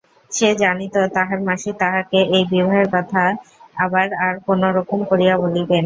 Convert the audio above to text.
সে জানিত তাহার মাসি তাহাকে এই বিবাহের কথাই আবার আর-কোনোরকম করিয়া বলিবেন।